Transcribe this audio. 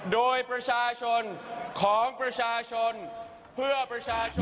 โดยประชาชนของประชาชนเพื่อประชาชน